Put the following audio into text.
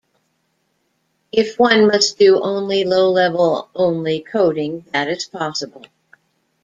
If one must do only low-level-only coding, that is possible.